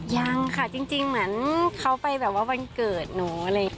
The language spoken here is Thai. ยังค่ะจริงเหมือนเขาไปแบบว่าวันเกิดหนูอะไรอย่างนี้